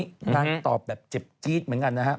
นางตอบแบบเจ็บจี๊ดเหมือนกันนะครับ